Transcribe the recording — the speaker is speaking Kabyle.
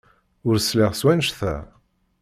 Ur sliɣ s wanect-a.